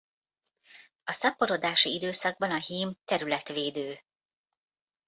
A szaporodási időszakban a hím területvédő.